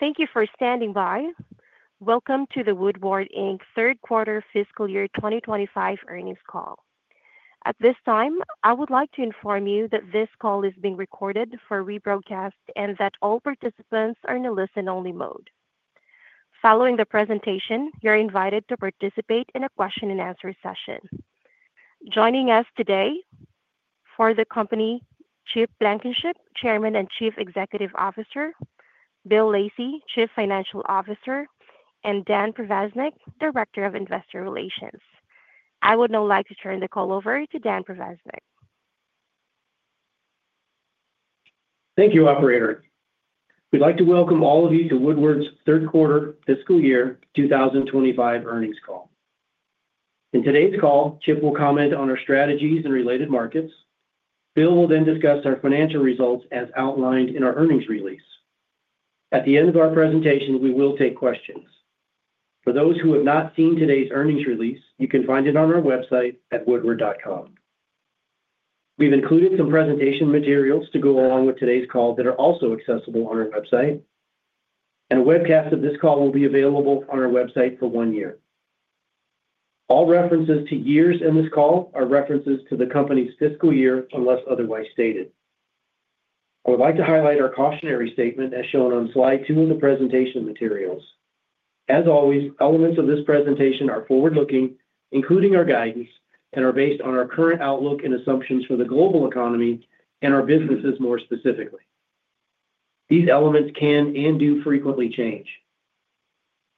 Thank you for standing by. Welcome to the Woodward Inc's third quarter fiscal year 2025 earnings call. At this time, I would like to inform you that this call is being recorded for rebroadcast and that all participants are in a listen-only mode. Following the presentation, you're invited to participate in a question-and-answer session. Joining us today for the company: Chip Blankenship, Chairman and Chief Executive Officer; Bill Lacey, Chief Financial Officer; and Dan Provaznik, Director of Investor Relations. I would now like to turn the call over to Dan Provaznik. Thank you, operator. We'd like to welcome all of you to Woodward's third quarter fiscal Year 2025 earnings call. In today's call, Chip will comment on our strategies and related markets. Bill will then discuss our financial results as outlined in our earnings release. At the end of our presentation, we will take questions. For those who have not seen today's earnings release, you can find it on our website at woodward.com. We've included some presentation materials to go along with today's call that are also accessible on our website, and a webcast of this call will be available on our website for one year. All references to years in this call are references to the company's fiscal year unless otherwise stated. I would like to highlight our cautionary statement as shown on slide two of the presentation materials. As always, elements of this presentation are forward-looking, including our guidance, and are based on our current outlook and assumptions for the global economy and our businesses more specifically. These elements can and do frequently change.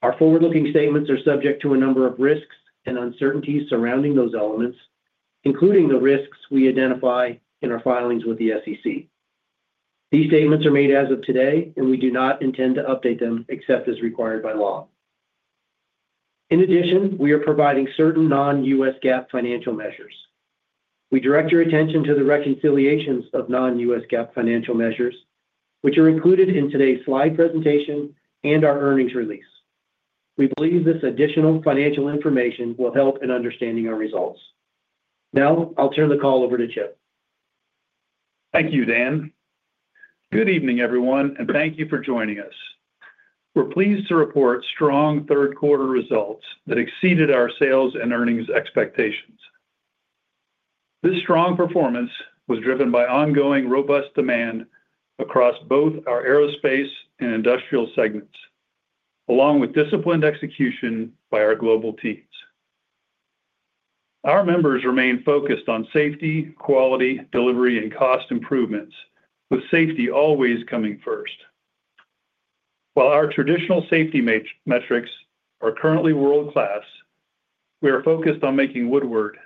Our forward-looking statements are subject to a number of risks and uncertainties surrounding those elements, including the risks we identify in our filings with the SEC. These statements are made as of today, and we do not intend to update them except as required by law. In addition, we are providing certain non-U.S. GAAP financial measures. We direct your attention to the reconciliations of non-U.S. GAAP financial measures, which are included in today's slide presentation and our earnings release. We believe this additional financial information will help in understanding our results. Now, I'll turn the call over to Chip. Thank you, Dan. Good evening, everyone, and thank you for joining us. We're pleased to report strong third-quarter results that exceeded our sales and earnings expectations. This strong performance was driven by ongoing robust demand across both our aerospace and industrial segments, along with disciplined execution by our global teams. Our members remain focused on safety, quality, delivery, and cost improvements, with safety always coming first. While our traditional safety metrics are currently world-class, we are focused on making Woodward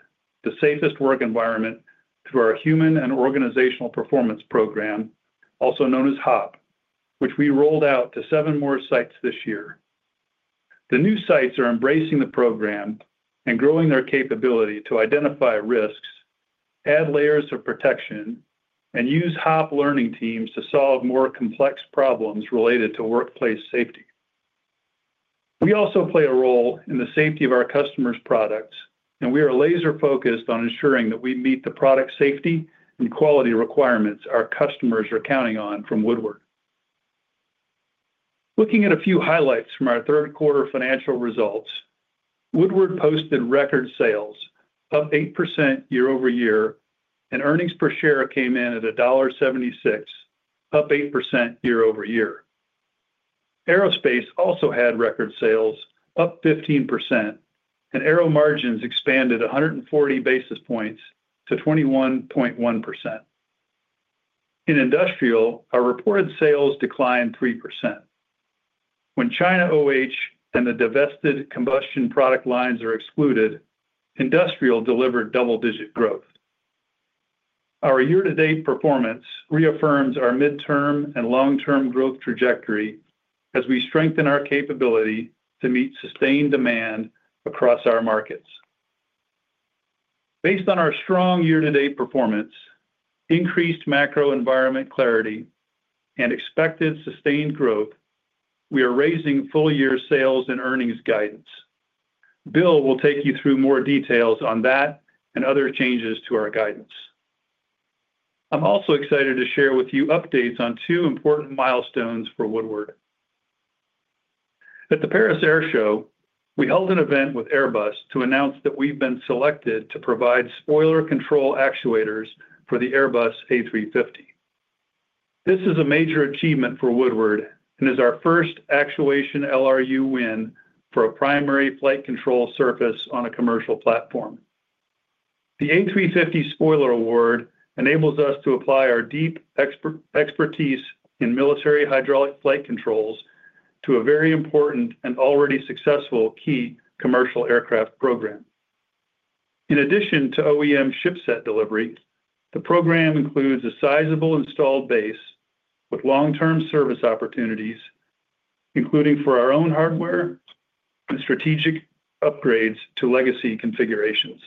the safest work environment through our Human and Organizational Performance program, also known as HOP, which we rolled out to seven more sites this year. The new sites are embracing the program and growing their capability to identify risks, add layers of protection, and use HOP learning teams to solve more complex problems related to workplace safety. We also play a role in the safety of our customers' products, and we are laser-focused on ensuring that we meet the product safety and quality requirements our customers are counting on from Woodward. Looking at a few highlights from our third-quarter financial results, Woodward posted record sales, up 8% year-over-year, and earnings per share came in at $1.76, up 8% year-over-year. Aerospace also had record sales, up 15%, and aero margins expanded 140 basis points to 21.1%. In industrial, our reported sales declined 3%. When China OH and the divested combustion product lines are excluded, industrial delivered double-digit growth. Our year-to-date performance reaffirms our midterm and long-term growth trajectory as we strengthen our capability to meet sustained demand across our markets. Based on our strong year-to-date performance, increased macro-environment clarity, and expected sustained growth, we are raising full-year sales and earnings guidance. Bill will take you through more details on that and other changes to our guidance. I'm also excited to share with you updates on two important milestones for Woodward. At the Paris Air Show, we held an event with Airbus to announce that we've been selected to provide spoiler control actuators for the Airbus A350. This is a major achievement for Woodward and is our first actuation LRU win for a primary flight control surface on a commercial platform. The A350 spoiler award enables us to apply our deep expertise in military hydraulic flight controls to a very important and already successful key commercial aircraft program. In addition to OEM shipset delivery, the program includes a sizable installed base with long-term service opportunities, including for our own hardware and strategic upgrades to legacy configurations.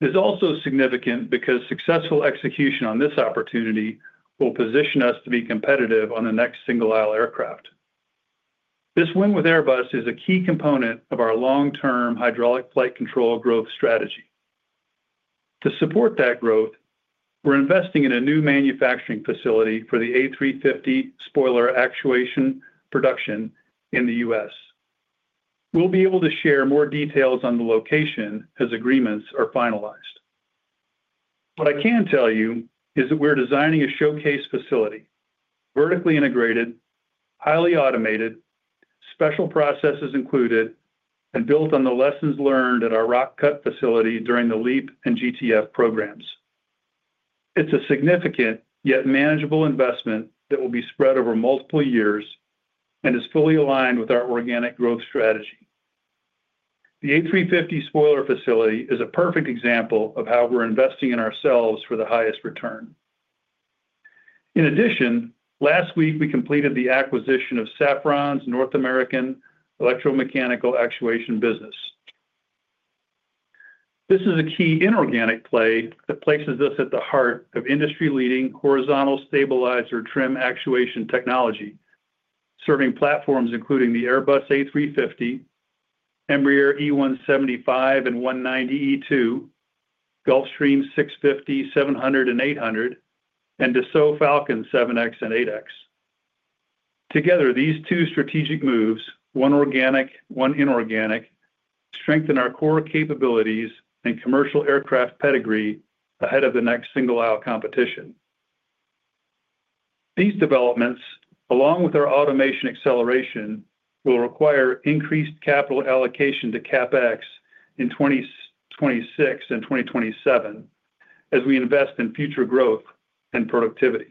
It is also significant because successful execution on this opportunity will position us to be competitive on the next single-aisle aircraft. This win with Airbus is a key component of our long-term hydraulic flight control growth strategy. To support that growth, we're investing in a new manufacturing facility for the A350 spoiler actuation production in the U.S. We'll be able to share more details on the location as agreements are finalized. What I can tell you is that we're designing a showcase facility, vertically integrated, highly automated, special processes included, and built on the lessons learned at our Rock Cut facility during the LEAP and GTF programs. It's a significant yet manageable investment that will be spread over multiple years and is fully aligned with our organic growth strategy. The A350 spoiler facility is a perfect example of how we're investing in ourselves for the highest return. In addition, last week we completed the acquisition of Safran's North American electromechanical actuation business. This is a key inorganic play that places us at the heart of industry-leading horizontal stabilizer trim actuation technology, serving platforms including the Airbus A350, Embraer E175 and 190-E2, Gulfstream 650, 700, and 800, and Dassault Falcon 7X and 8X. Together, these two strategic moves, one organic, one inorganic, strengthen our core capabilities and commercial aircraft pedigree ahead of the next single-aisle competition. These developments, along with our automation acceleration, will require increased capital allocation to CapEx in 2026 and 2027 as we invest in future growth and productivity.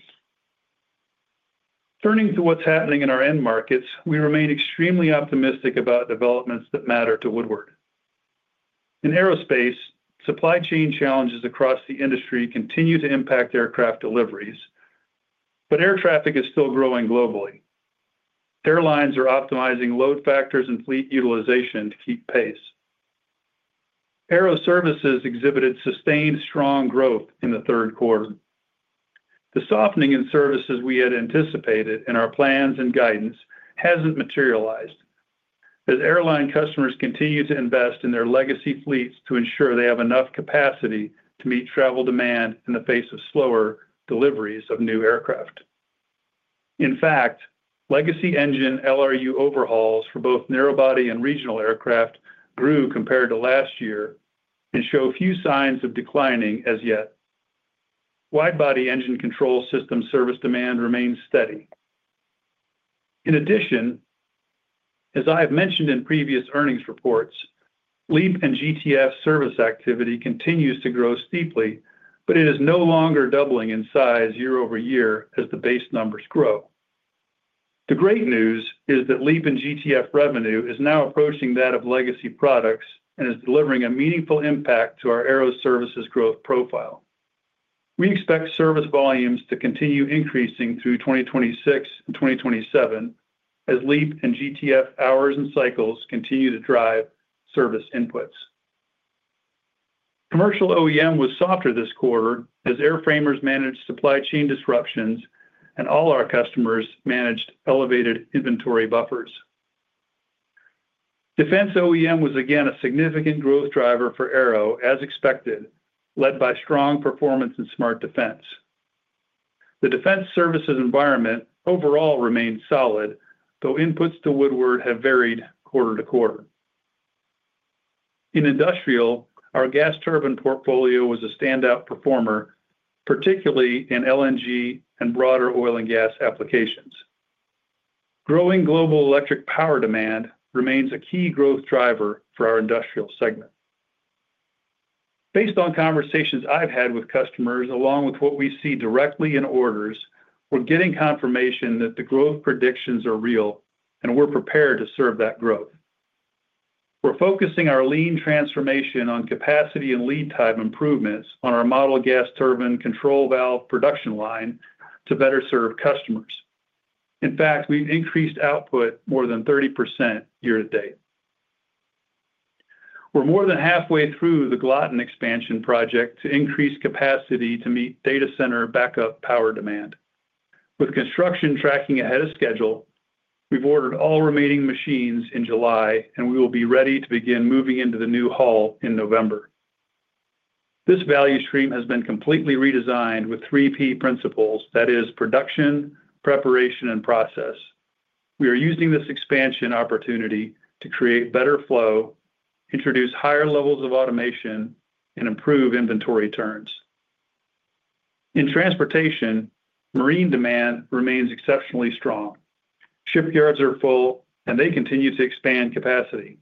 Turning to what's happening in our end markets, we remain extremely optimistic about developments that matter to Woodward. In aerospace, supply chain challenges across the industry continue to impact aircraft deliveries. Air traffic is still growing globally. Airlines are optimizing load factors and fleet utilization to keep pace. Aeroservices exhibited sustained strong growth in the third quarter. The softening in services we had anticipated in our plans and guidance hasn't materialized as airline customers continue to invest in their legacy fleets to ensure they have enough capacity to meet travel demand in the face of slower deliveries of new aircraft. In fact, legacy engine LRU overhauls for both narrow body and regional aircraft grew compared to last year and show few signs of declining as yet. Wide body engine control system service demand remains steady. In addition, as I have mentioned in previous earnings reports, LEAP and GTF service activity continues to grow steeply, but it is no longer doubling in size year-over-year as the base numbers grow. The great news is that LEAP and GTF revenue is now approaching that of legacy products and is delivering a meaningful impact to our aeroservices growth profile. We expect service volumes to continue increasing through 2026 and 2027 as LEAP and GTF hours and cycles continue to drive service inputs. Commercial OEM was softer this quarter as airframers managed supply chain disruptions and all our customers managed elevated inventory buffers. Defense OEM was again a significant growth driver for aero, as expected, led by strong performance and smart defense. The defense services environment overall remained solid, though inputs to Woodward have varied quarter to quarter. In industrial, our gas turbine portfolio was a standout performer, particularly in LNG and broader oil and gas applications. Growing global electric power demand remains a key growth driver for our industrial segment. Based on conversations I've had with customers, along with what we see directly in orders, we're getting confirmation that the growth predictions are real and we're prepared to serve that growth. We're focusing our lean transformation on capacity and lead time improvements on our model gas turbine control valve production line to better serve customers. In fact, we've increased output more than 30% year-to-date. We're more than halfway through the Glatten expansion project to increase capacity to meet data center backup power demand. With construction tracking ahead of schedule, we've ordered all remaining machines in July, and we will be ready to begin moving into the new hall in November. This value stream has been completely redesigned with three key principles: that is, production, preparation, and process. We are using this expansion opportunity to create better flow, introduce higher levels of automation, and improve inventory turns. In transportation, marine demand remains exceptionally strong. Shipyards are full, and they continue to expand capacity.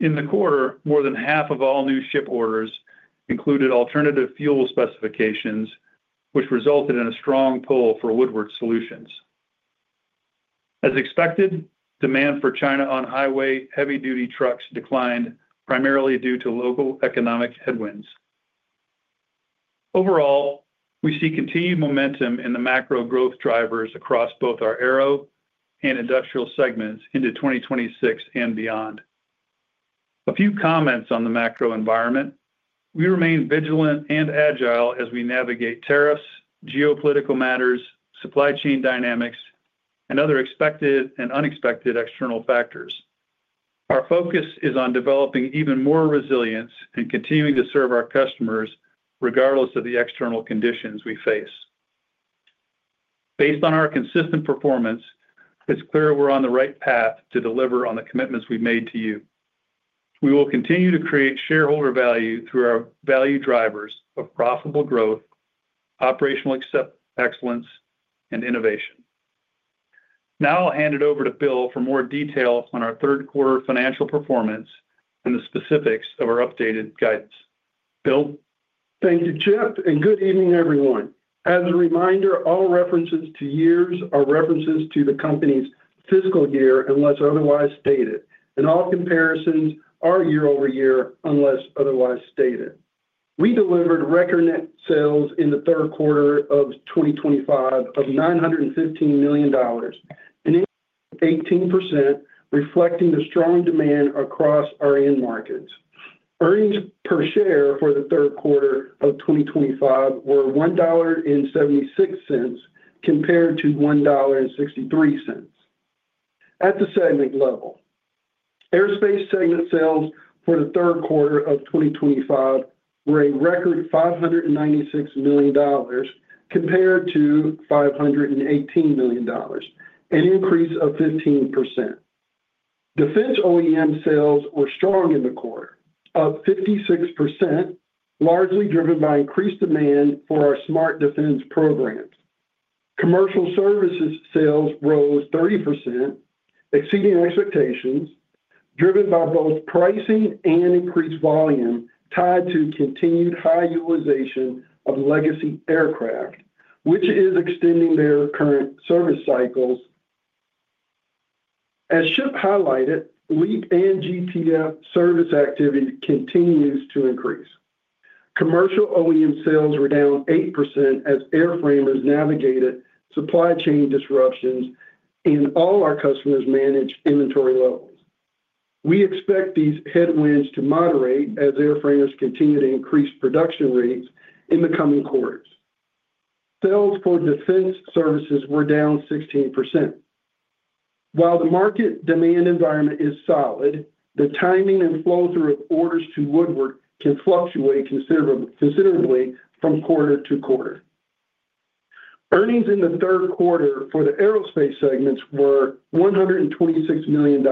In the quarter, more than half of all new ship orders included alternative fuel specifications, which resulted in a strong pull for Woodward Solutions. As expected, demand for China-on-highway heavy-duty trucks declined primarily due to local economic headwinds. Overall, we see continued momentum in the macro growth drivers across both our aero and industrial segments into 2026 and beyond. A few comments on the macro environment: we remain vigilant and agile as we navigate tariffs, geopolitical matters, supply chain dynamics, and other expected and unexpected external factors. Our focus is on developing even more resilience and continuing to serve our customers regardless of the external conditions we face. Based on our consistent performance, it's clear we're on the right path to deliver on the commitments we've made to you. We will continue to create shareholder value through our value drivers of profitable growth, operational excellence, and innovation. Now I'll hand it over to Bill for more details on our third-quarter financial performance and the specifics of our updated guidance. Bill. Thank you, Chip, and good evening, everyone. As a reminder, all references to years are references to the company's fiscal year unless otherwise stated, and all comparisons are year-over-year unless otherwise stated. We delivered record net sales in the third quarter of 2025 of $915 million, an increase of 18%, reflecting the strong demand across our end markets. Earnings per share for the third quarter of 2025 were $1.76 compared to $1.63. At the segment level, Aerospace segment sales for the third quarter of 2025 were a record $596 million compared to $518 million, an increase of 15%. Defense OEM sales were strong in the quarter, up 56%, largely driven by increased demand for our smart defense programs. Commercial services sales rose 30%, exceeding expectations, driven by both pricing and increased volume tied to continued high utilization of legacy aircraft, which is extending their current service cycles. As Chip highlighted, LEAP and GTF service activity continues to increase. Commercial OEM sales were down 8% as airframers navigated supply chain disruptions and all our customers managed inventory levels. We expect these headwinds to moderate as airframers continue to increase production rates in the coming quarters. Sales for defense services were down 16%. While the market demand environment is solid, the timing and flow through of orders to Woodward can fluctuate considerably from quarter to quarter. Earnings in the third quarter for the Aerospace segments were $126 million.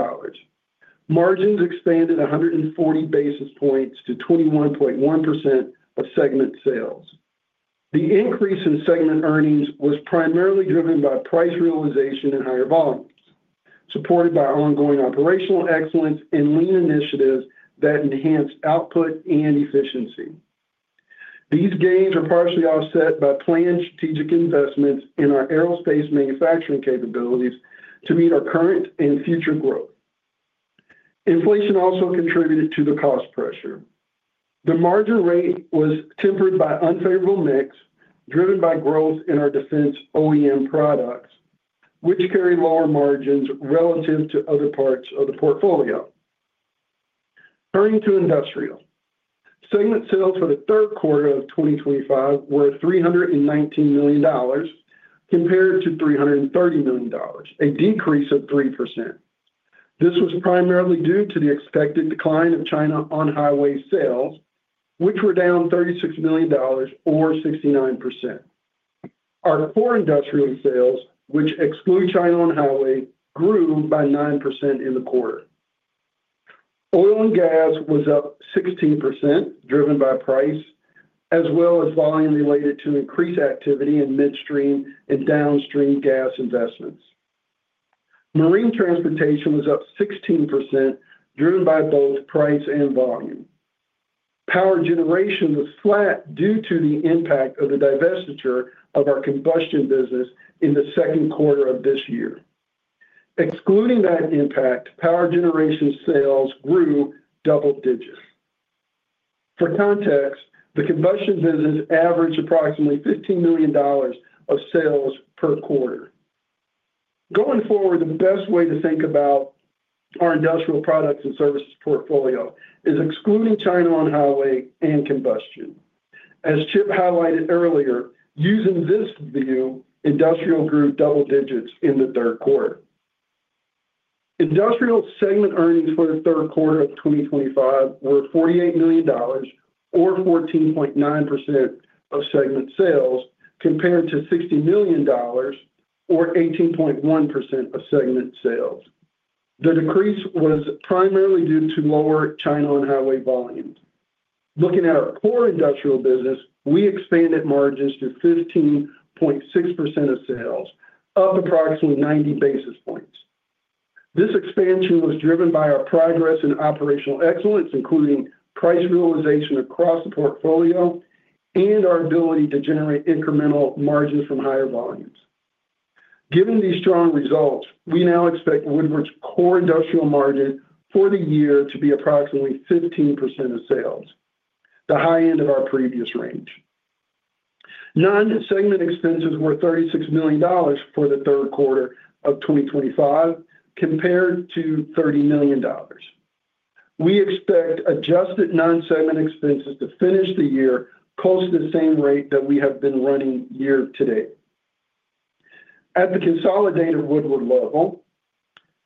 Margins expanded 140 basis points to 21.1% of segment sales. The increase in segment earnings was primarily driven by price realization and higher volumes, supported by ongoing operational excellence and lean initiatives that enhanced output and efficiency. These gains are partially offset by planned strategic investments in our aerospace manufacturing capabilities to meet our current and future growth. Inflation also contributed to the cost pressure. The margin rate was tempered by unfavorable mix driven by growth in our Defense OEM products, which carried lower margins relative to other parts of the portfolio. Turning to industrial, segment sales for the third quarter of 2025 were $319 million compared to $330 million, a decrease of 3%. This was primarily due to the expected decline of China-on-highway sales, which were down $36 million, or 69%. Our core industrial sales, which exclude China-on-highway, grew by 9% in the quarter. Oil and gas was up 16%, driven by price, as well as volume related to increased activity in midstream and downstream gas investments. Marine transportation was up 16%, driven by both price and volume. Power generation was flat due to the impact of the divestiture of our combustion business in the second quarter of this year. Excluding that impact, power generation sales grew double digits. For context, the combustion business averaged approximately $15 million of sales per quarter. Going forward, the best way to think about our industrial products and services portfolio is excluding China-on-highway and combustion. As Chip highlighted earlier, using this view, industrial grew double digits in the third quarter. Industrial segment earnings for the third quarter of 2025 were $48 million, or 14.9% of segment sales, compared to $60 million, or 18.1% of segment sales. The decrease was primarily due to lower China-on-highway volumes. Looking at our core industrial business, we expanded margins to 15.6% of sales, up approximately 90 basis points. This expansion was driven by our progress in operational excellence, including price realization across the portfolio and our ability to generate incremental margins from higher volumes. Given these strong results, we now expect Woodward's core industrial margin for the year to be approximately 15% of sales, the high end of our previous range. Non-segment expenses were $36 million for the third quarter of 2025, compared to $30 million. We expect adjusted non-segment expenses to finish the year close to the same rate that we have been running year-to-date. At the consolidated Woodward level,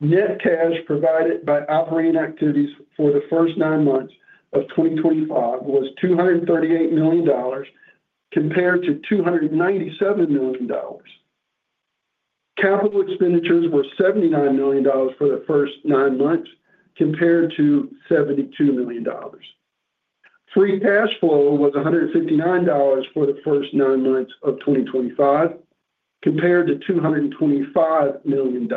net cash provided by operating activities for the first nine months of 2025 was $238 million, compared to $297 million. Capital expenditures were $79 million for the first nine months, compared to $72 million. Free cash flow was $159 million for the first nine months of 2025, compared to $225 million.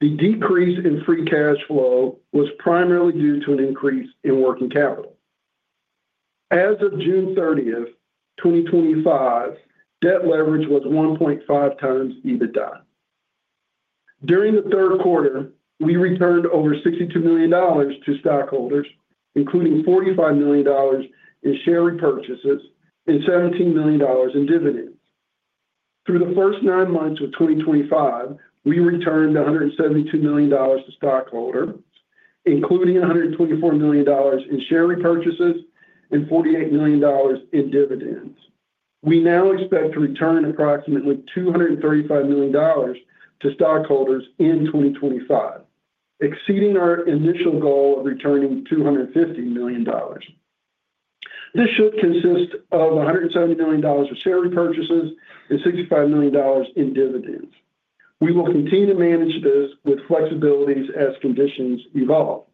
The decrease in free cash flow was primarily due to an increase in working capital. As of June 30, 2025, debt leverage was 1.5x EBITDA. During the third quarter, we returned over $62 million to stockholders, including $45 million in share repurchases and $17 million in dividends. Through the first nine months of 2025, we returned $172 million to stockholders, including $124 million in share repurchases and $48 million in dividends. We now expect to return approximately $235 million to stockholders in 2025, exceeding our initial goal of returning $250 million. This should consist of $170 million of share repurchases and $65 million in dividends. We will continue to manage this with flexibilities as conditions evolve.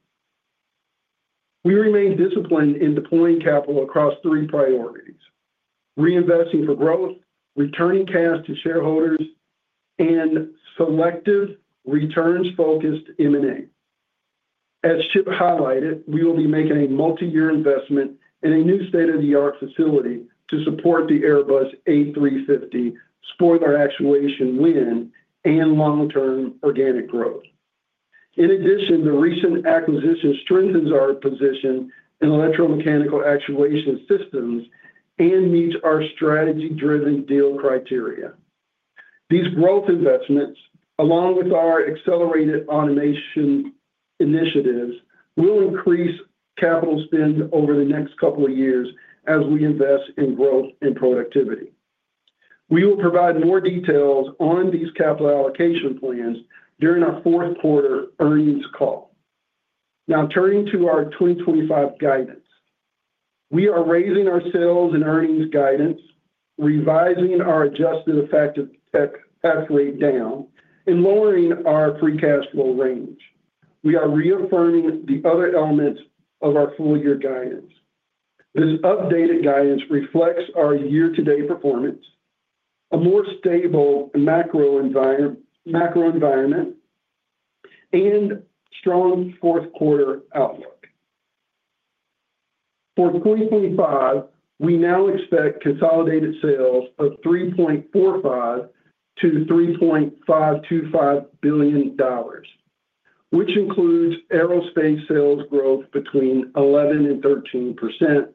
We remain disciplined in deploying capital across three priorities: reinvesting for growth, returning cash to shareholders, and selective returns-focused M&A. As Chip highlighted, we will be making a multi-year investment in a new state-of-the-art facility to support the Airbus A350 spoiler actuation wind and long-term organic growth. In addition, the recent acquisition strengthens our position in electromechanical actuation systems and meets our strategy-driven deal criteria. These growth investments, along with our accelerated automation initiatives, will increase capital spend over the next couple of years as we invest in growth and productivity. We will provide more details on these capital allocation plans during our fourth quarter earnings call. Now, turning to our 2025 guidance, we are raising our sales and earnings guidance, revising our adjusted effective tax rate down, and lowering our free cash flow range. We are reaffirming the other elements of our full-year guidance. This updated guidance reflects our year-to-date performance, a more stable macro environment, and strong fourth quarter outlook. For 2025, we now expect consolidated sales of $3.45 billion-$3.525 billion, which includes aerospace sales growth between 11% and 13%.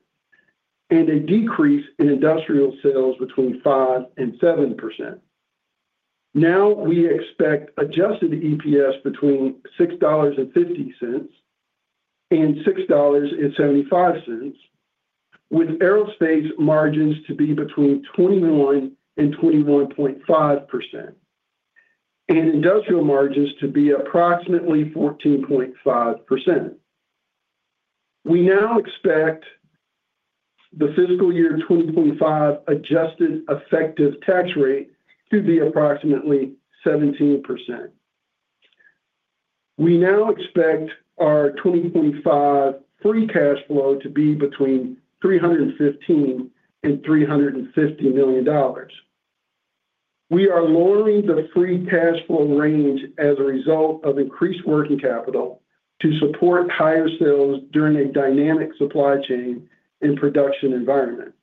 A decrease in industrial sales between 5% and 7% is expected. We expect adjusted EPS between $6.50 and $6.75, with aerospace margins to be between 21% and 21.5%, and industrial margins to be approximately 14.5%. We now expect the fiscal year 2025 adjusted effective tax rate to be approximately 17%. We now expect our 2025 free cash flow to be between $315 million and $350 million. We are lowering the free cash flow range as a result of increased working capital to support higher sales during a dynamic supply chain and production environment.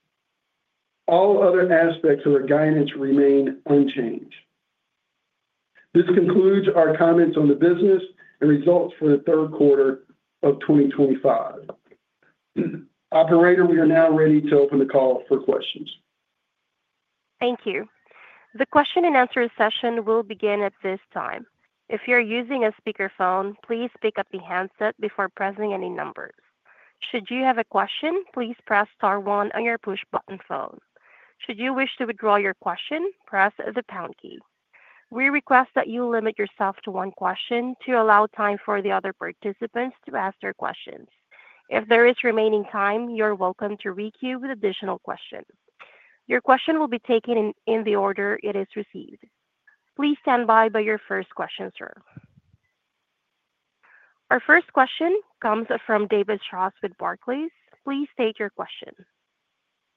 All other aspects of our guidance remain unchanged. This concludes our comments on the business and results for the third quarter of 2025. Operator, we are now ready to open the call for questions. Thank you. The question and answer session will begin at this time. If you're using a speakerphone, please pick up the handset before pressing any numbers. Should you have a question, please press star one on your push button phone. Should you wish to withdraw your question, press the pound key. We request that you limit yourself to one question to allow time for the other participants to ask their questions. If there is remaining time, you're welcome to re-queue with additional questions. Your question will be taken in the order it is received. Please stand by for your first question, sir. Our first question comes from David Strauss with Barclays. Please state your question.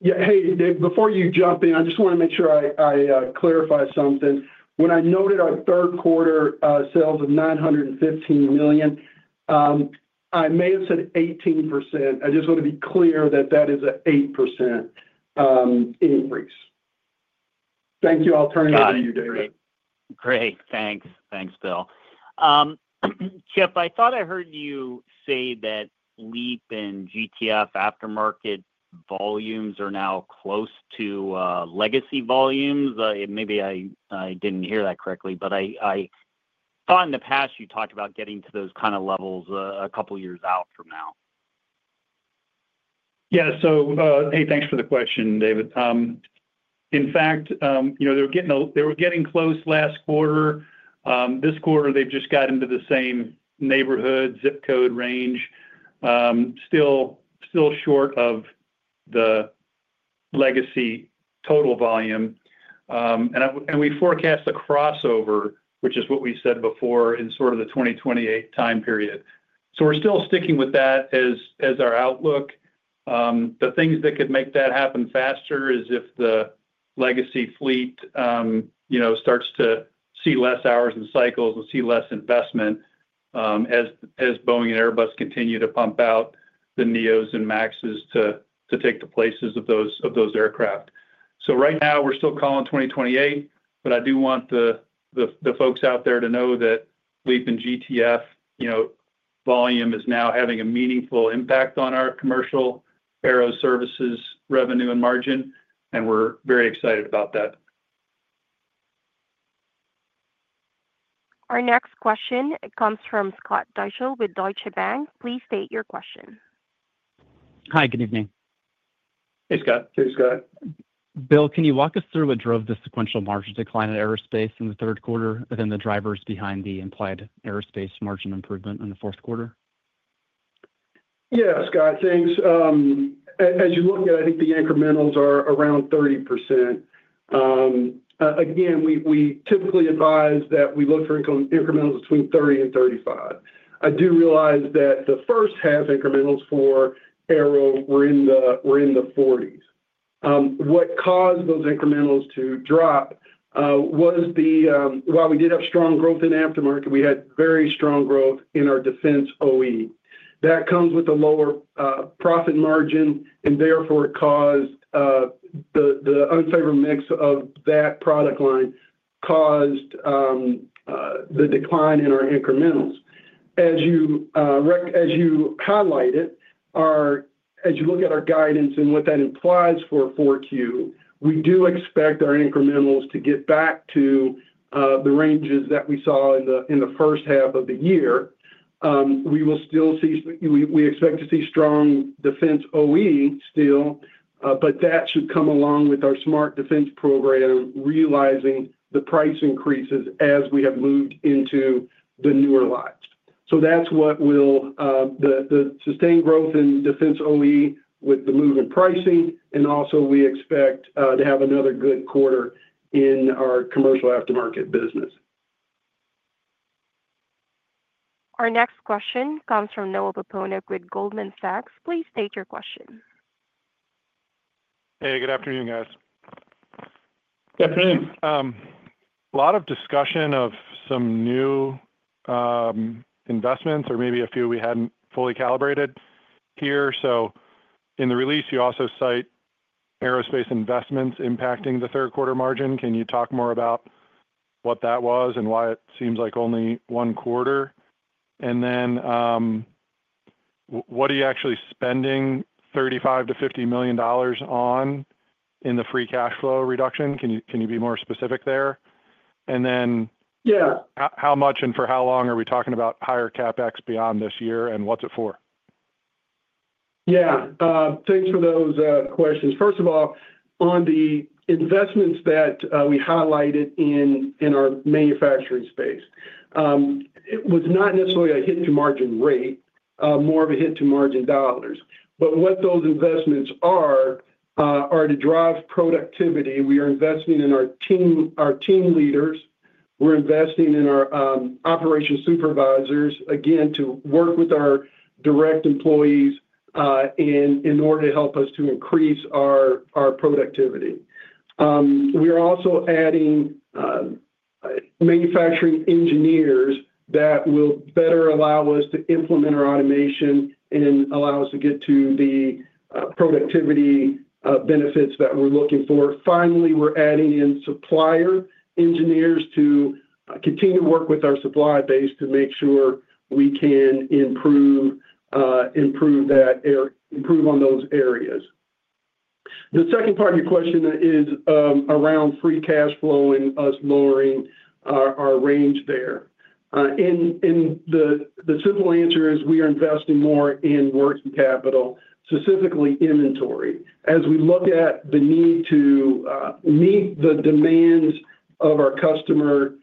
Yeah, hey, David, before you jump in, I just want to make sure I clarify something. When I noted our third quarter sales of $915 million, I may have said 18%. I just want to be clear that that is an 8% increase. Thank you. I'll turn it over to you, David. Great. Thanks. Thanks, Bill. Chip, I thought I heard you say that LEAP and GTF aftermarket volumes are now close to legacy volumes. Maybe I didn't hear that correctly, but I thought in the past you talked about getting to those kind of levels a couple of years out from now. Yeah. So, hey, thanks for the question, David. In fact, they were getting close last quarter. This quarter, they've just gotten into the same neighborhood zip code range. Still short of the legacy total volume. We forecast a crossover, which is what we said before in sort of the 2028 time period. We're still sticking with that as our outlook. The things that could make that happen faster is if the legacy fleet starts to see less hours and cycles and see less investment as Boeing and Airbus continue to pump out the Neos and MAXes to take the places of those aircraft. Right now, we're still calling 2028, but I do want the folks out there to know that LEAP and GTF volume is now having a meaningful impact on our commercial aeroservices revenue and margin, and we're very excited about that. Our next question, it comes from Scott Deuschle with Deutsche Bank. Please state your question. Hi, good evening. Hey, Scott. Hey, Scott. Bill, can you walk us through what drove the sequential margin decline in aerospace in the third quarter and then the drivers behind the implied aerospace margin improvement in the fourth quarter? Yeah, Scott, thanks. As you look at it, I think the incrementals are around 30%. Again, we typically advise that we look for incrementals between 30% and 35%. I do realize that the first half incrementals for Aero were in the 40% range. What caused those incrementals to drop was the, while we did have strong growth in aftermarket, we had very strong growth in our Defense OE. That comes with a lower profit margin, and therefore it caused the unfavorable mix of that product line, caused the decline in our incrementals. As you highlighted, as you look at our guidance and what that implies for Q4, we do expect our incrementals to get back to the ranges that we saw in the first half of the year. We will still see, we expect to see strong Defense OE still, but that should come along with our smart defense program realizing the price increases as we have moved into the newer lines. That is what will, the sustained growth in Defense OE with the move in pricing, and also we expect to have another good quarter in our commercial aftermarket business. Our next question comes from Noah Poponak with Goldman Sachs. Please state your question. Hey, good afternoon, guys. Good afternoon. A lot of discussion of some new investments or maybe a few we hadn't fully calibrated here. In the release, you also cite aerospace investments impacting the third quarter margin. Can you talk more about what that was and why it seems like only one quarter? What are you actually spending $35-$50 million on in the free cash flow reduction? Can you be more specific there? Yeah. How much and for how long are we talking about higher CapEx beyond this year and what's it for? Yeah. Thanks for those questions. First of all, on the investments that we highlighted in our manufacturing space. It was not necessarily a hit to margin rate, more of a hit to margin dollars. What those investments are, are to drive productivity. We are investing in our team leaders. We're investing in our operations supervisors, again, to work with our direct employees in order to help us to increase our productivity. We are also adding manufacturing engineers that will better allow us to implement our automation and allow us to get to the productivity benefits that we're looking for. Finally, we're adding in supplier engineers to continue to work with our supply base to make sure we can improve that or improve on those areas. The second part of your question is around free cash flow and us lowering our range there. The simple answer is we are investing more in working capital, specifically inventory. As we look at the need to meet the demands of our customer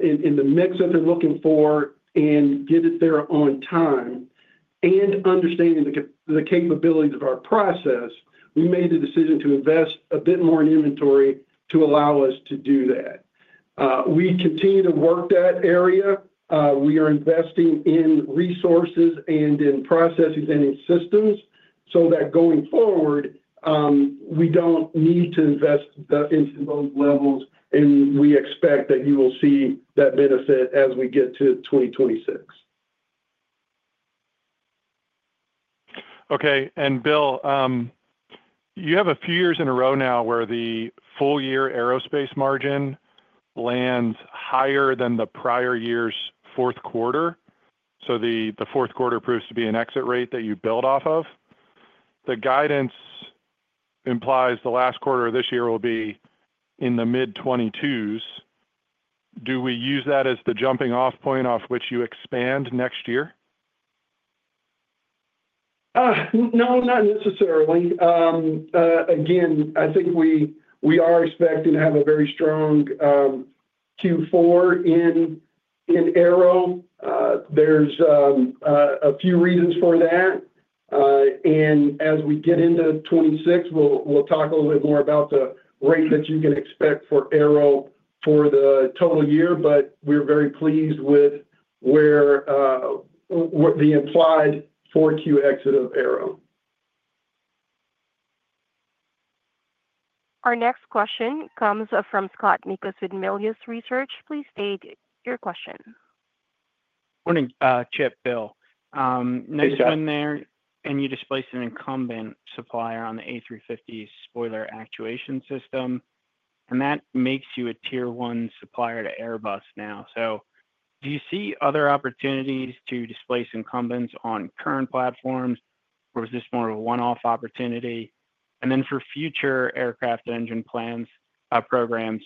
in the mix that they're looking for and get it there on time and understanding the capabilities of our process, we made the decision to invest a bit more in inventory to allow us to do that. We continue to work that area. We are investing in resources and in processes and in systems so that going forward we don't need to invest in those levels, and we expect that you will see that benefit as we get to 2026. Okay. Bill, you have a few years in a row now where the full-year aerospace margin lands higher than the prior year's fourth quarter. The fourth quarter proves to be an exit rate that you build off of. The guidance implies the last quarter of this year will be in the mid-2022s. Do we use that as the jumping-off point off which you expand next year? No, not necessarily. Again, I think we are expecting to have a very strong Q4 in Aero. There are a few reasons for that. As we get into 2026, we'll talk a little bit more about the rate that you can expect for Aero for the total year, but we're very pleased with the implied 4Q exit of Aero. Our next question comes from Scott Mikus with Melius Research. Please state your question. Morning, Chip, Bill. Nice to be in there. You displaced an incumbent supplier on the A350 spoiler actuation system. That makes you a tier-one supplier to Airbus now. Do you see other opportunities to displace incumbents on current platforms, or is this more of a one-off opportunity? For future aircraft engine plans programs,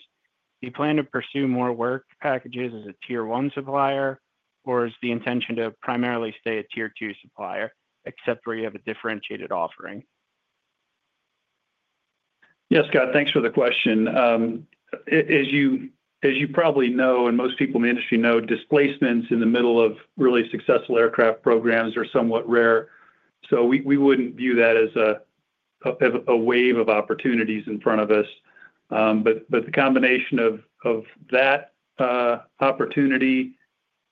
do you plan to pursue more work packages as a tier-one supplier, or is the intention to primarily stay a tier-2 supplier except where you have a differentiated offering? Yes, Scott, thanks for the question. As you probably know and most people in the industry know, displacements in the middle of really successful aircraft programs are somewhat rare. We would not view that as a wave of opportunities in front of us. The combination of that opportunity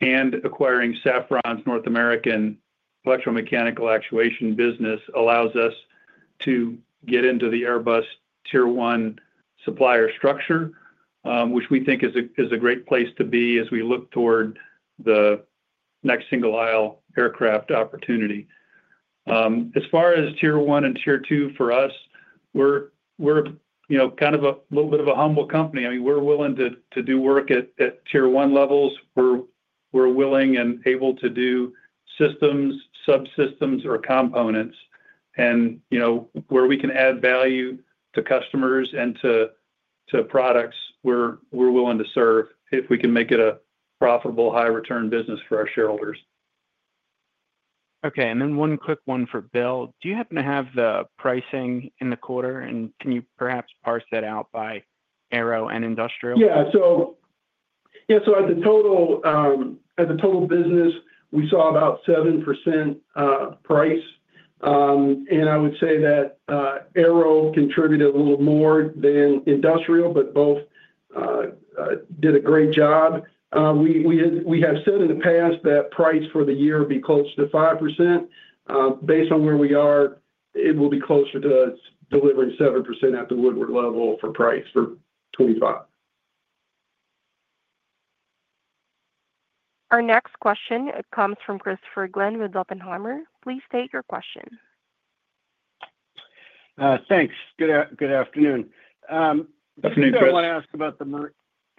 and acquiring Safran's North American electromechanical actuation business allows us to get into the Airbus tier-one supplier structure, which we think is a great place to be as we look toward the next single-aisle aircraft opportunity. As far as tier-one and tier-two for us, we are kind of a little bit of a humble company. I mean, we are willing to do work at tier-one levels. We are willing and able to do systems, subsystems, or components. Where we can add value to customers and to products, we are willing to serve if we can make it a profitable, high-return business for our shareholders. Okay. And then one quick one for Bill. Do you happen to have the pricing in the quarter, and can you perhaps parse that out by aero and industrial? Yeah. So at the total business, we saw about 7% price. I would say that Aero contributed a little more than industrial, but both did a great job. We have said in the past that price for the year would be close to 5%. Based on where we are, it will be closer to delivering 7% at the Woodward level for price for 2025. Our next question comes from Christopher Glynn with Oppenheimer. Please state your question. Thanks. Good afternoon. Good afternoon, Chris. I just want to ask about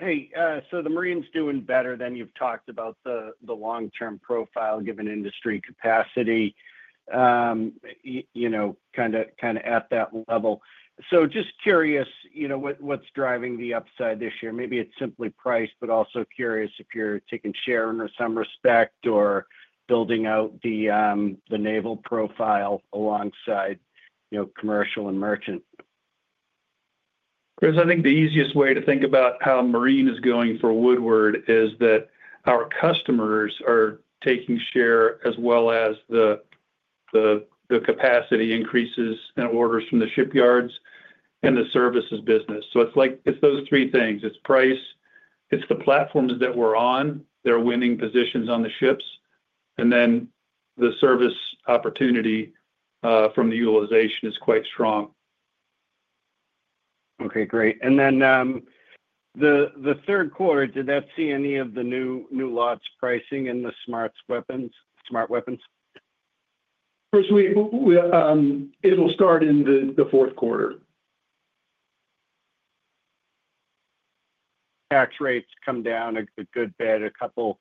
the—hey, so the marine's doing better than you've talked about the long-term profile given industry capacity. Kind of at that level. Just curious, what's driving the upside this year? Maybe it's simply price, but also curious if you're taking share in some respect or building out the naval profile alongside commercial and merchant. Chris, I think the easiest way to think about how marine is going for Woodward is that our customers are taking share as well as the capacity increases and orders from the shipyards and the services business. It is those three things. It is price. It is the platforms that we are on. They are winning positions on the ships. The service opportunity from the utilization is quite strong. Okay, great. Did the third quarter see any of the new lots pricing and the smart weapons? Chris. It will start in the fourth quarter. Tax rates come down a good bit a couple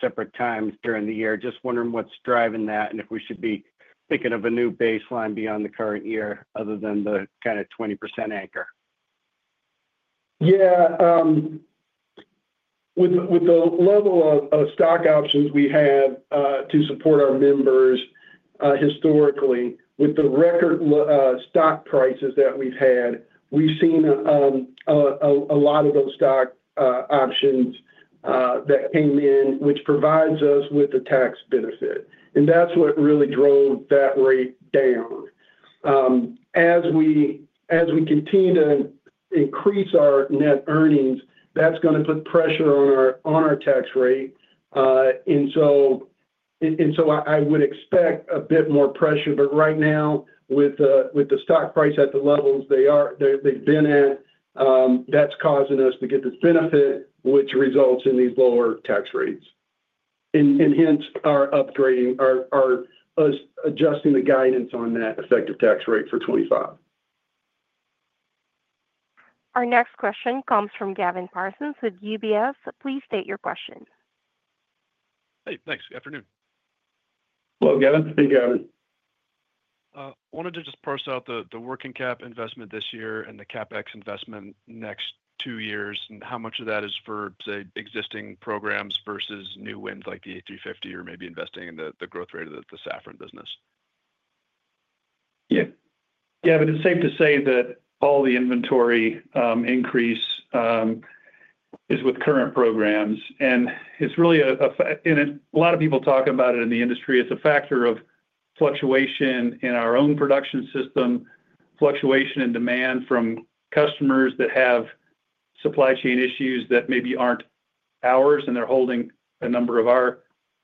separate times during the year. Just wondering what's driving that and if we should be thinking of a new baseline beyond the current year other than the kind of 20% anchor. Yeah. With the level of stock options we have to support our members. Historically, with the record stock prices that we've had, we've seen a lot of those stock options that came in, which provides us with a tax benefit. That's what really drove that rate down. As we continue to increase our net earnings, that's going to put pressure on our tax rate. I would expect a bit more pressure. Right now, with the stock price at the levels they've been at, that's causing us to get this benefit, which results in these lower tax rates. Hence, our upgrading, adjusting the guidance on that effective tax rate for 2025. Our next question comes from Gavin Parsons with UBS. Please state your question. Hey, thanks. Good afternoon. Hello, Gavin. Hey, Gavin. I wanted to just parse out the working cap investment this year and the CapEx investment next two years. How much of that is for, say, existing programs versus new wins like the A350 or maybe investing in the growth rate of the Safran business? Yeah. Yeah, but it's safe to say that all the inventory increase is with current programs. It's really a—a lot of people talk about it in the industry—it's a factor of fluctuation in our own production system, fluctuation in demand from customers that have supply chain issues that maybe aren't ours, and they're holding a number of our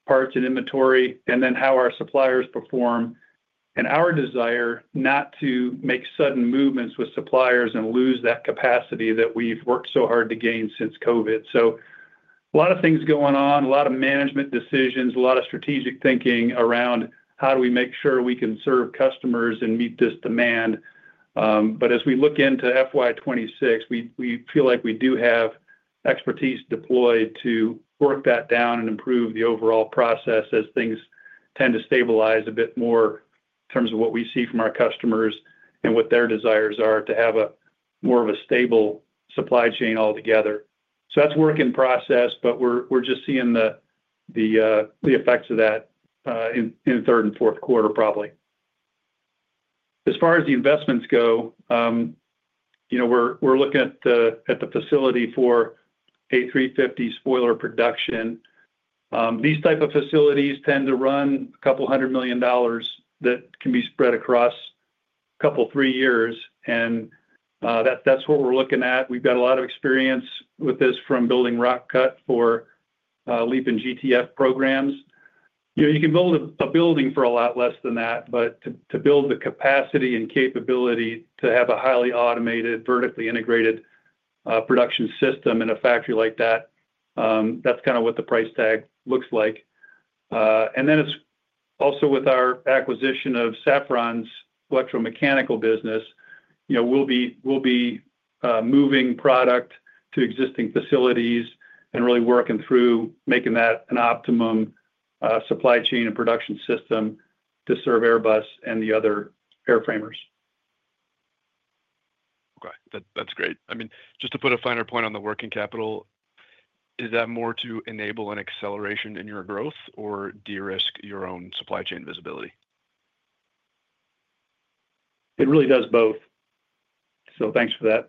parts in inventory, and then how our suppliers perform. Our desire is not to make sudden movements with suppliers and lose that capacity that we've worked so hard to gain since COVID. A lot of things going on, a lot of management decisions, a lot of strategic thinking around how do we make sure we can serve customers and meet this demand. As we look into FY 2026, we feel like we do have expertise deployed to work that down and improve the overall process as things tend to stabilize a bit more in terms of what we see from our customers and what their desires are to have more of a stable supply chain altogether. That's work in process, but we're just seeing the effects of that in the third and fourth quarter, probably. As far as the investments go, we're looking at the facility for A350 spoiler production. These types of facilities tend to run a couple hundred million dollars that can be spread across a couple, three years. That's what we're looking at. We've got a lot of experience with this from building Rock Cut for LEAP and GTF programs. You can build a building for a lot less than that, but to build the capacity and capability to have a highly automated, vertically integrated production system in a factory like that, that's kind of what the price tag looks like. It's also with our acquisition of Safran's electromechanical business. We'll be moving product to existing facilities and really working through making that an optimum supply chain and production system to serve Airbus and the other airframers. Okay. That's great. I mean, just to put a finer point on the working capital, is that more to enable an acceleration in your growth or de-risk your own supply chain visibility? It really does both. Thanks for that.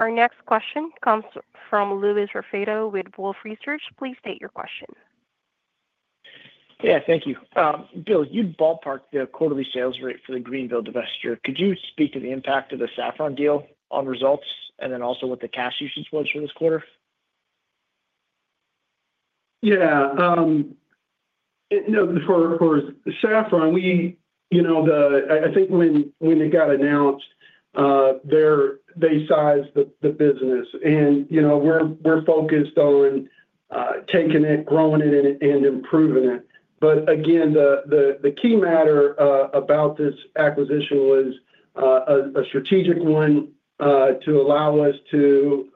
Our next question comes from Louis Raffetto with Wolfe Research. Please state your question. Yeah, thank you. Bill, you'd ballparked the quarterly sales rate for the Greenville divestiture. Could you speak to the impact of the Safran deal on results and then also what the cash usage was for this quarter? Yeah. For Safran. I think when it got announced. They sized the business. We're focused on taking it, growing it, and improving it. The key matter about this acquisition was a strategic one to allow us to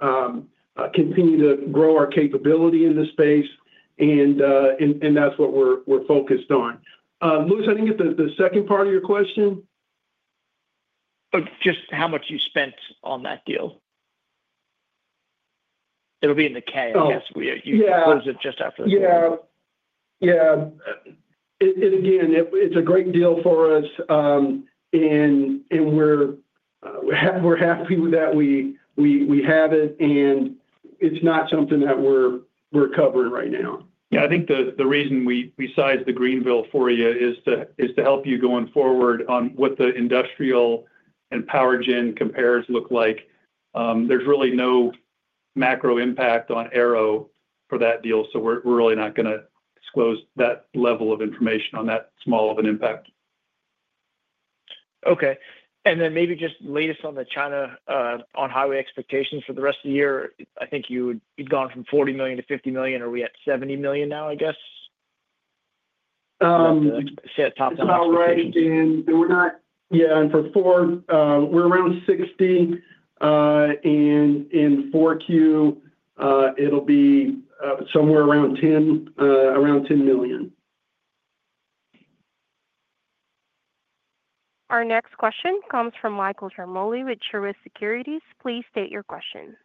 continue to grow our capability in the space. That's what we're focused on. Louis, I think the second part of your question. Just how much you spent on that deal. It'll be in the K, I guess. You close it just after the quarter. Yeah. Yeah. It's a great deal for us. We're happy with that. We have it. It's not something that we're covering right now. Yeah. I think the reason we sized the Greenville for you is to help you going forward on what the industrial and power gen compares look like. There's really no macro impact on aero for that deal. So we're really not going to disclose that level of information on that small of an impact. Okay. And then maybe just latest on the China on-highway expectations for the rest of the year, I think you'd gone from $40 million to $50 million. Are we at $70 million now, I guess? Say a top-down estimate. Not right. And we're not—yeah. And for Ford, we're around 60. And in 4Q. It'll be somewhere around $10 million. Our next question comes from Michael Ciarmoli with Truist Securities. Please state your question.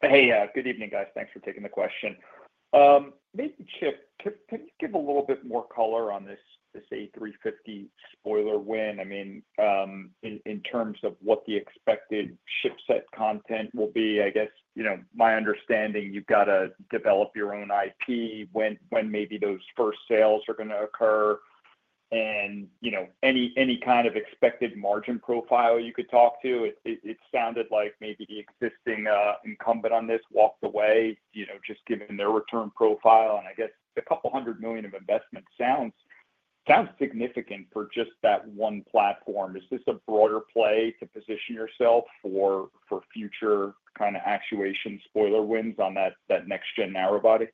Hey, good evening, guys. Thanks for taking the question. Maybe, Chip, can you give a little bit more color on this A350 spoiler win? I mean, in terms of what the expected shipset content will be, I guess my understanding you've got to develop your own IP when maybe those first sales are going to occur. And any kind of expected margin profile you could talk to. It sounded like maybe the existing incumbent on this walked away just given their return profile. I guess a couple hundred million of investment sounds significant for just that one platform. Is this a broader play to position yourself for future kind of actuation spoiler wins on that next-gen narrowbody?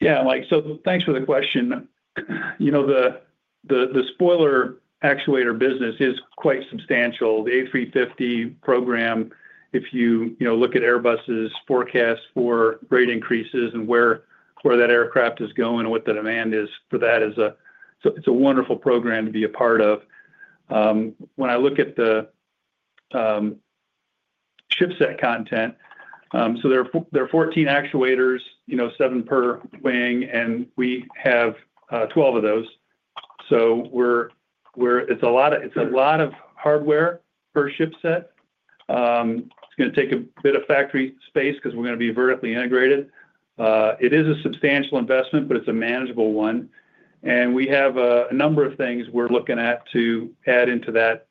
Yeah. Thanks for the question. The spoiler actuator business is quite substantial. The A350 program, if you look at Airbus's forecast for rate increases and where that aircraft is going and what the demand is for that, it's a wonderful program to be a part of. When I look at the shipset content, so there are 14 actuators, 7 per wing, and we have 12 of those. So it's a lot of hardware per shipset. It's going to take a bit of factory space because we're going to be vertically integrated. It is a substantial investment, but it's a manageable one. We have a number of things we're looking at to add into that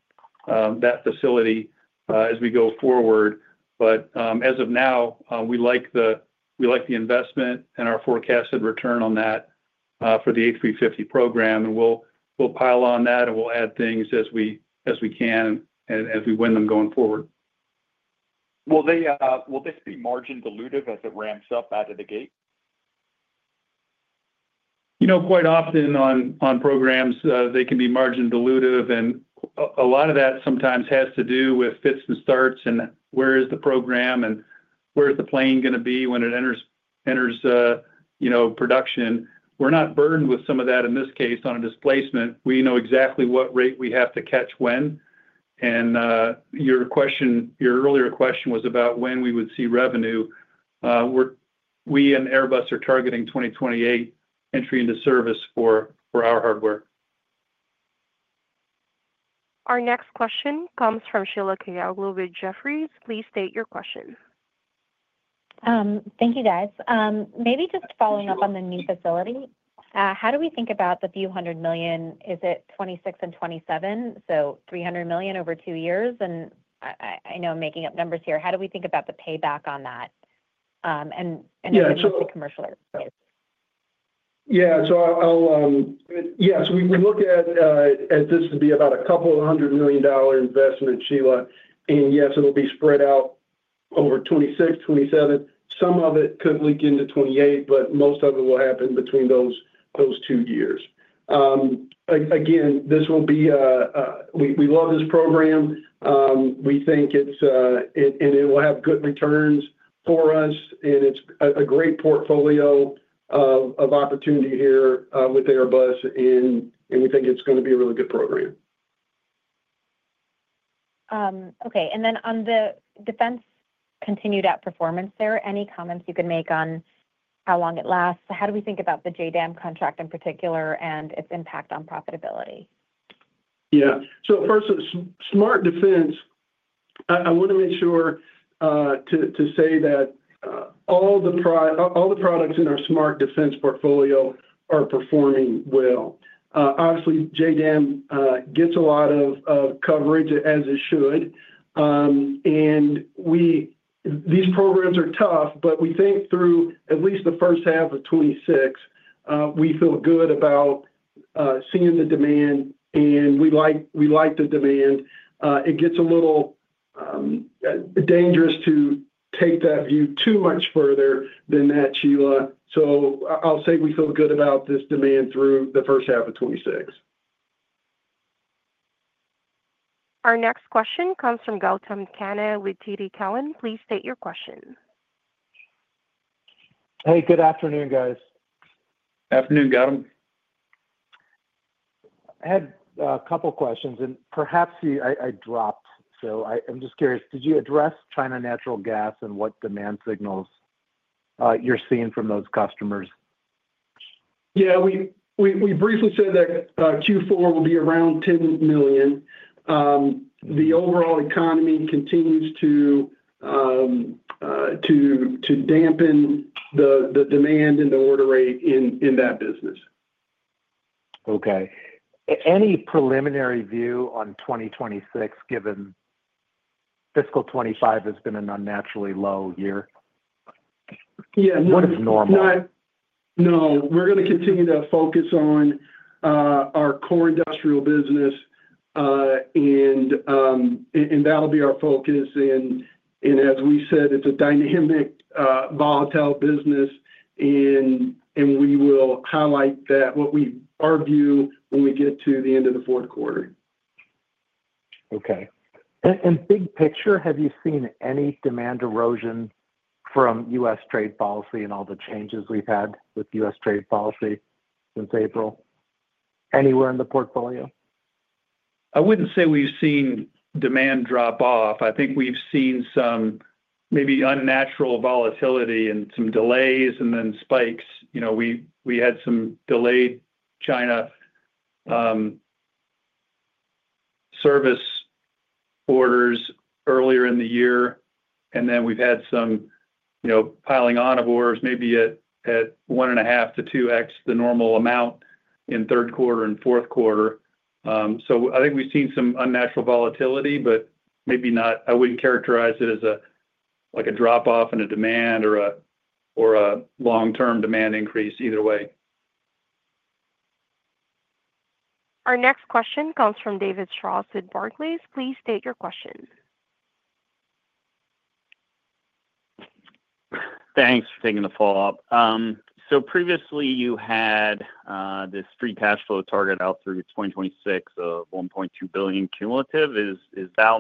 facility as we go forward. As of now, we like the investment and our forecasted return on that for the A350 program. We'll pile on that, and we'll add things as we can and as we win them going forward. Will this be margin-dilutive as it ramps up out of the gate? Quite often on programs, they can be margin-dilutive. A lot of that sometimes has to do with fits and starts and where is the program and where is the plane going to be when it enters production. We're not burdened with some of that in this case on a displacement. We know exactly what rate we have to catch when. Your earlier question was about when we would see revenue. We and Airbus are targeting 2028 entry into service for our hardware. Our next question comes from Sheila Kahyaoglu with Jefferies. Please state your question. Thank you, guys. Maybe just following up on the new facility. How do we think about the few hundred million? Is it 2026 and 2027? So $300 million over two years. And I know I'm making up numbers here. How do we think about the payback on that. In terms of the commercial areas? Yeah. So we look at this to be about a couple of hundred million dollar investment, Sheila. Yes, it'll be spread out over 2026, 2027. Some of it could leak into 2028, but most of it will happen between those two years. Again, we love this program. We think it's— It will have good returns for us. It's a great portfolio of opportunity here with Airbus. We think it's going to be a really good program. Okay. On the defense continued at performance, are there any comments you could make on how long it lasts? How do we think about the JDAM contract in particular and its impact on profitability? Yeah. First, smart defense, I want to make sure to say that all the products in our smart defense portfolio are performing well. Obviously, JDAM gets a lot of coverage, as it should. These programs are tough, but we think through at least the first half of 2026, we feel good about seeing the demand. We like the demand. It gets a little dangerous to take that view too much further than that, Sheila. I will say we feel good about this demand through the first half of 2026. Our next question comes from Gautam Khanna with TD Cowen. Please state your question. Hey, good afternoon, guys. Afternoon, Gautam. I had a couple of questions. Perhaps I dropped. I'm just curious. Did you address China natural gas and what demand signals you're seeing from those customers? Yeah. We briefly said that Q4 will be around $10 million. The overall economy continues to dampen the demand and the order rate in that business. Okay. Any preliminary view on 2026, given fiscal 2025 has been an unnaturally low year? Yeah. No. What is normal? No. We are going to continue to focus on our core industrial business. That will be our focus. As we said, it is a dynamic, volatile business. We will highlight our view when we get to the end of the fourth quarter. Okay. Big picture, have you seen any demand erosion from U.S. trade policy and all the changes we've had with U.S. trade policy since April? Anywhere in the portfolio? I wouldn't say we've seen demand drop off. I think we've seen some maybe unnatural volatility and some delays and then spikes. We had some delayed China service orders earlier in the year. And then we've had some piling on of orders, maybe at 1.5 to 2x the normal amount in third quarter and fourth quarter. I think we've seen some unnatural volatility, but maybe not—I wouldn't characterize it as a drop-off in demand or a long-term demand increase either way. Our next question comes from David Strauss with Barclays. Please state your question. Thanks for taking the fall off. Previously, you had this free cash flow target out through 2026 of $1.2 billion cumulative. Is that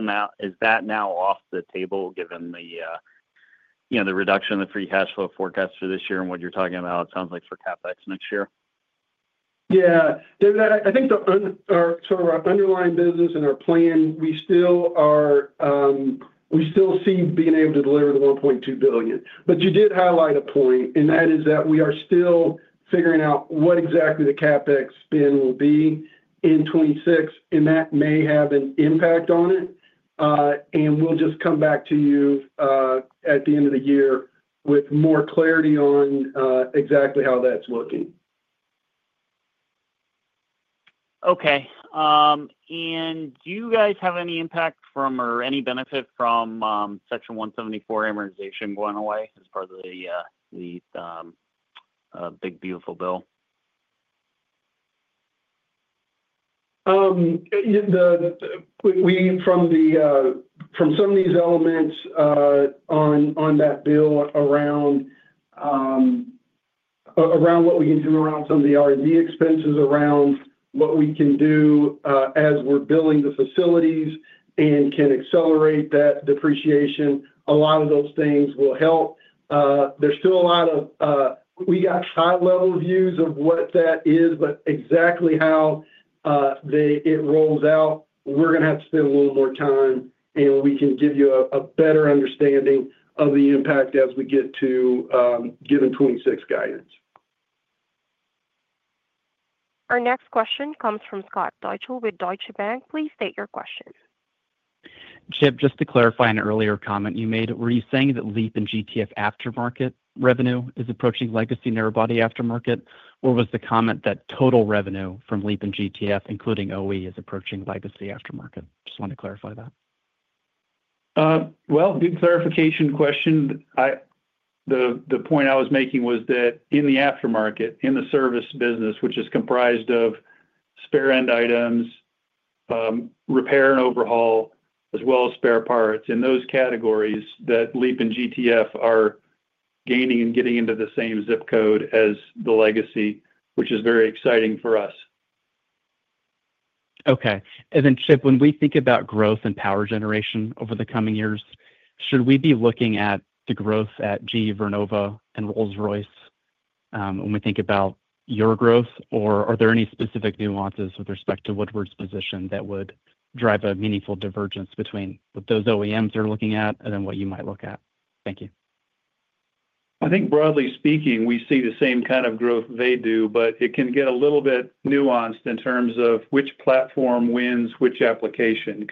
now off the table given the reduction in the free cash flow forecast for this year and what you're talking about, it sounds like, for CapEx next year? Yeah. David, I think. For our underlying business and our plan, we still are. We still see being able to deliver the $1.2 billion. You did highlight a point, and that is that we are still figuring out what exactly the CapEx spend will be in 2026, and that may have an impact on it. We'll just come back to you at the end of the year with more clarity on exactly how that's looking. Okay. Do you guys have any impact from or any benefit from Section 174 amortization going away as part of the Big, Beautiful Bill? Some of these elements on that bill around what we can do around some of the R&D expenses, around what we can do as we're billing the facilities and can accelerate that depreciation, a lot of those things will help. There's still a lot of—we got high-level views of what that is, but exactly how it rolls out, we're going to have to spend a little more time, and we can give you a better understanding of the impact as we get to given 2026 guidance. Our next question comes from Scott Deuschle with Deutsche Bank. Please state your question. Chip, just to clarify an earlier comment you made, were you saying that LEAP and GTF aftermarket revenue is approaching legacy narrowbody aftermarket, or was the comment that total revenue from LEAP and GTF, including OE, is approaching legacy aftermarket? Just wanted to clarify that. Good clarification question. The point I was making was that in the aftermarket, in the service business, which is comprised of spare end items, repair and overhaul, as well as spare parts, in those categories, that LEAP and GTF are gaining and getting into the same zip code as the legacy, which is very exciting for us. Okay. Chip, when we think about growth in power generation over the coming years, should we be looking at the growth at GE Vernova and Rolls-Royce? When we think about your growth, or are there any specific nuances with respect to Woodward's position that would drive a meaningful divergence between what those OEMs are looking at and what you might look at? Thank you. I think broadly speaking, we see the same kind of growth they do, but it can get a little bit nuanced in terms of which platform wins which application.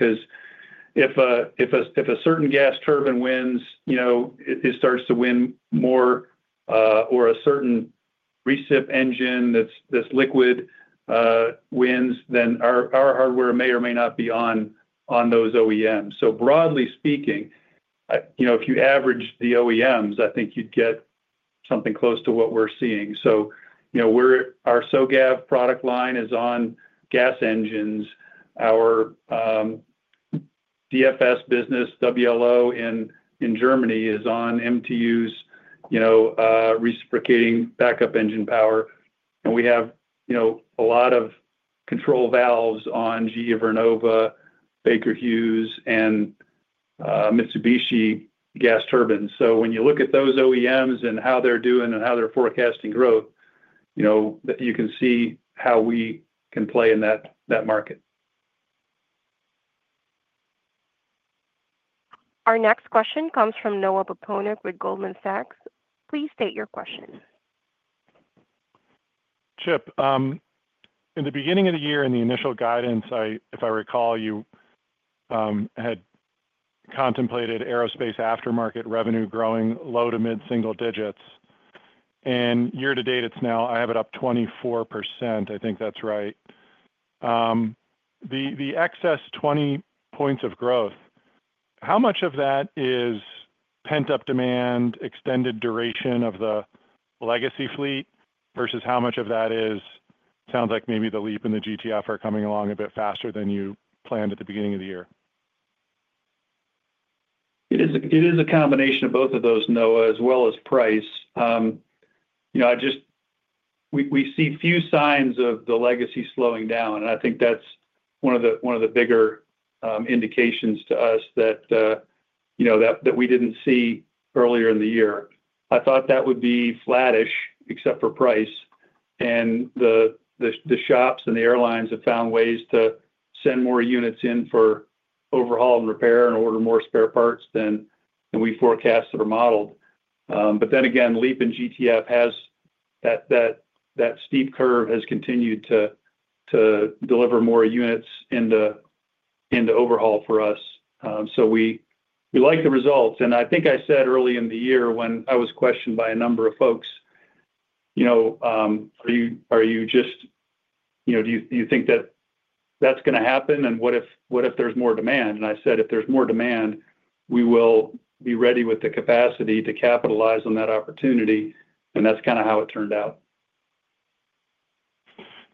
Because if a certain gas turbine wins, it starts to win more, or a certain recip engine that's liquid wins, then our hardware may or may not be on those OEMs. Broadly speaking, if you average the OEMs, I think you'd get something close to what we're seeing. Our SOGAV product line is on gas engines. Our DFS business, WLO in Germany, is on MTUs, reciprocating backup engine power. We have a lot of control valves on GE Vernova, Baker Hughes, and Mitsubishi gas turbines. When you look at those OEMs and how they're doing and how they're forecasting growth, you can see how we can play in that market. Our next question comes from Noah Poponak with Goldman Sachs. Please state your question. Chip. In the beginning of the year in the initial guidance, if I recall, you had contemplated aerospace aftermarket revenue growing low to mid-single digits. And year to date, it's now I have it up 24%. I think that's right. The excess 20 points of growth, how much of that is pent-up demand, extended duration of the legacy fleet versus how much of that is, it sounds like, maybe the LEAP and the GTF are coming along a bit faster than you planned at the beginning of the year? It is a combination of both of those, Noah, as well as price. We see few signs of the legacy slowing down. I think that's one of the bigger indications to us that we did not see earlier in the year. I thought that would be flattish, except for price. The shops and the airlines have found ways to send more units in for overhaul and repair and order more spare parts than we forecast or modeled. Leap and GTF has that steep curve that has continued to deliver more units into overhaul for us. We like the results. I think I said early in the year when I was questioned by a number of folks, "Are you just— Do you think that that's going to happen? What if there's more demand?" I said, "If there's more demand, we will be ready with the capacity to capitalize on that opportunity." That is kind of how it turned out.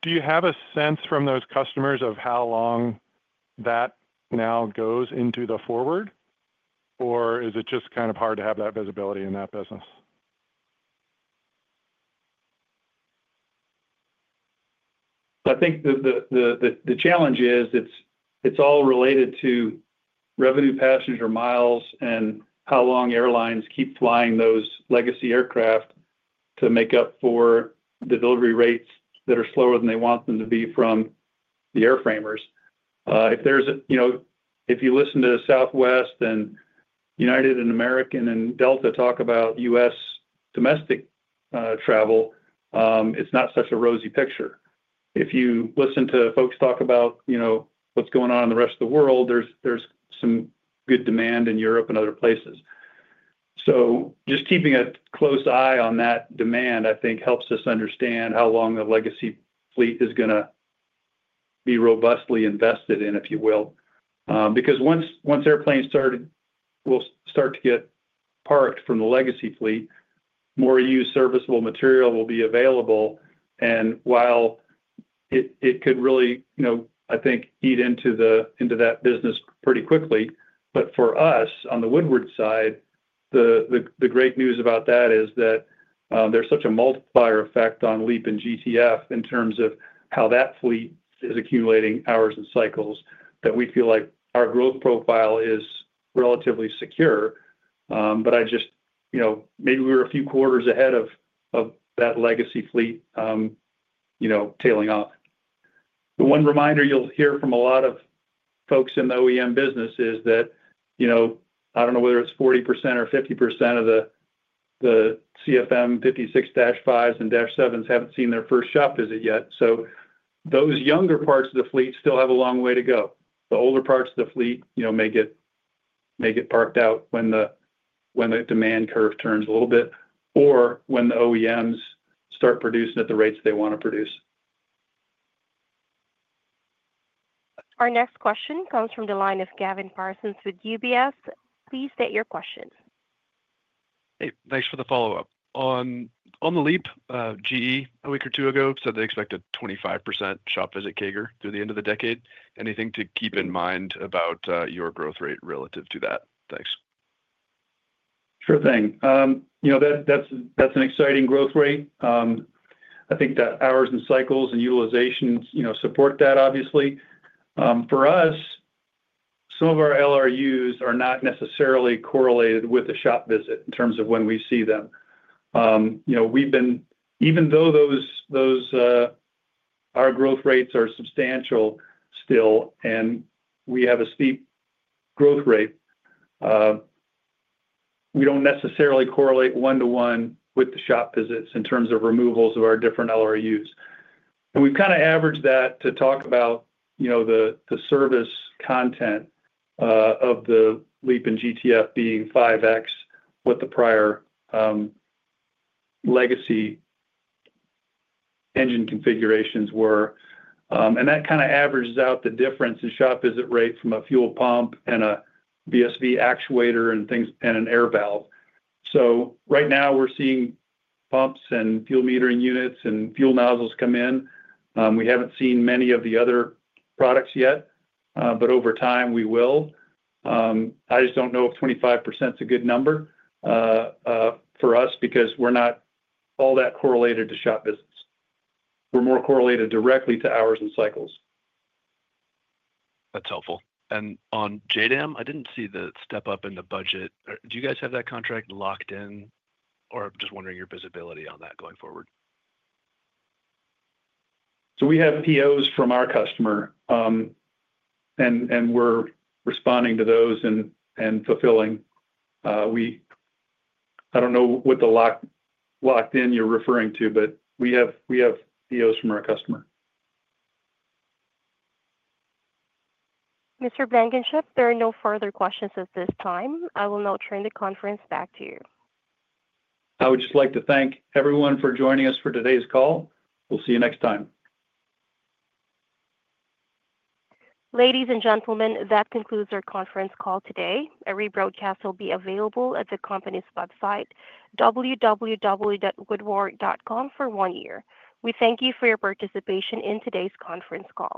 Do you have a sense from those customers of how long that now goes into the forward? Or is it just kind of hard to have that visibility in that business? I think the challenge is it's all related to revenue passenger miles and how long airlines keep flying those legacy aircraft to make up for delivery rates that are slower than they want them to be from the airframers. If you listen to Southwest and United and American and Delta talk about U.S. domestic travel, it's not such a rosy picture. If you listen to folks talk about what's going on in the rest of the world, there's some good demand in Europe and other places. Just keeping a close eye on that demand, I think, helps us understand how long the legacy fleet is going to be robustly invested in, if you will. Because once airplanes start to get parked from the legacy fleet, more used serviceable material will be available. While it could really, I think, eat into that business pretty quickly. For us, on the Woodward side, the great news about that is that there's such a multiplier effect on LEAP and GTF in terms of how that fleet is accumulating hours and cycles that we feel like our growth profile is relatively secure. I just—maybe we were a few quarters ahead of that legacy fleet tailing off. The one reminder you'll hear from a lot of folks in the OEM business is that I don't know whether it's 40% or 50% of the CFM56-5s and -7s haven't seen their first shop visit yet. Those younger parts of the fleet still have a long way to go. The older parts of the fleet may get parked out when the demand curve turns a little bit or when the OEMs start producing at the rates they want to produce. Our next question comes from the line of Gavin Parsons with UBS. Please state your question. Hey, thanks for the follow-up. On the LEAP GE, a week or two ago, said they expect a 25% shop visit CAGR through the end of the decade. Anything to keep in mind about your growth rate relative to that? Thanks. Sure thing. That's an exciting growth rate. I think that hours and cycles and utilization support that, obviously. For us, some of our LRUs are not necessarily correlated with the shop visit in terms of when we see them. Even though those, our growth rates are substantial still, and we have a steep growth rate. We do not necessarily correlate one-to-one with the shop visits in terms of removals of our different LRUs. We have kind of averaged that to talk about the service content of the LEAP and GTF being 5x what the prior legacy engine configurations were. That kind of averages out the difference in shop visit rate from a fuel pump and a BSV actuator and an air valve. Right now, we are seeing pumps and fuel metering units and fuel nozzles come in. We have not seen many of the other products yet, but over time, we will. I just do not know if 25% is a good number for us because we are not all that correlated to shop visits. We are more correlated directly to hours and cycles. That's helpful. On JDAM, I didn't see the step up in the budget. Do you guys have that contract locked in? I'm just wondering your visibility on that going forward. We have POs from our customer. And we're responding to those and fulfilling. I don't know what the locked-in you're referring to, but we have POs from our customer. Mr. Blankenship, there are no further questions at this time. I will now turn the conference back to you. I would just like to thank everyone for joining us for today's call. We'll see you next time. Ladies and gentlemen, that concludes our conference call today. A rebroadcast will be available at the company's website, www.woodward.com, for one year. We thank you for your participation in today's conference call.